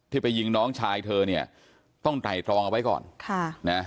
ที่ไปยิงน้องชายเธอเนี่ยต้องไต่ตรองเอาไว้ก่อน